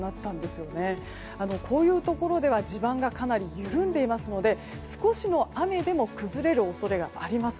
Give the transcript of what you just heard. こういうところでは地盤がかなり緩んでいますので少しの雨でも崩れる恐れがあります。